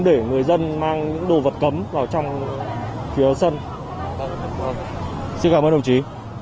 khu vực sân xin cảm ơn đồng chí